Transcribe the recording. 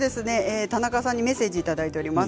田中さんにメッセージをいただいています。